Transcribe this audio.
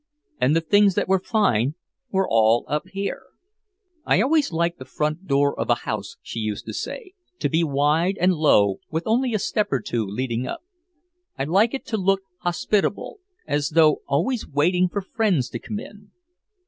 And the things that were fine were all up here. "I always like the front door of a house," she used to say, "to be wide and low with only a step or two leading up. I like it to look hospitable, as though always waiting for friends to come in."